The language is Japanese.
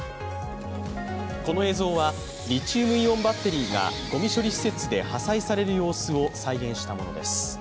この映像は、リチウムイオンバッテリーがごみ処理施設で破砕される様子を再現したものです。